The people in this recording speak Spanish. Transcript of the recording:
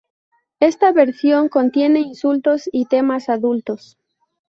Esta versión contiene insultos y temas adultos.